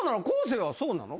昴生はそうなの？